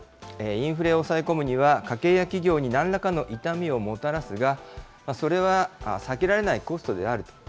インフレを抑え込むには、家計や企業になんらかの痛みをもたらすが、それは避けられないコストであると。